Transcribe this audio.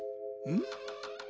ん？